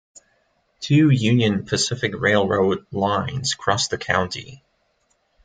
Two Union Pacific Railroad lines cross the county.